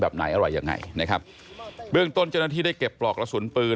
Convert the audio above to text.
แบบไหนอะไรยังไงนะครับเบื้องต้นเจ้าหน้าที่ได้เก็บปลอกกระสุนปืน